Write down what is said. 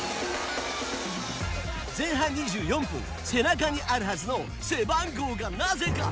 前半２４分、背中にあるはずの背番号がなぜか消えた。